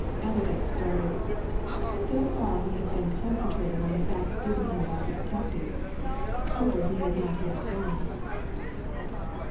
Allerdyke started. So far he had been concentrating on the facts given him by the detective further he had not yet gone.